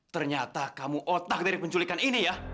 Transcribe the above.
ternyata kamu otak dari penculikan ini ya